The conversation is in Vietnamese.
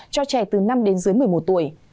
cho trẻ từ năm đến dưới một mươi một tuổi